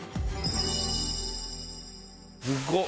すごっ！